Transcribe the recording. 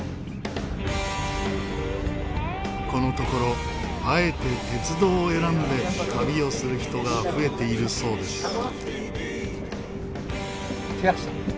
このところあえて鉄道を選んで旅をする人が増えているそうです。